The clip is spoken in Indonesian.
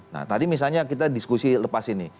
nah tadi misalnya kita diskusi lepas ini